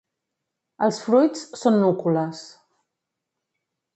Els fruits són núcules.